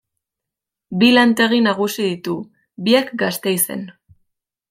Bi lantegi nagusi ditu, biak Gasteizen.